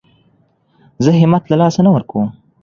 زه همت له لاسه نه ورکوم.